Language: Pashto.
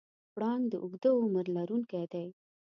پړانګ د اوږده عمر لرونکی دی.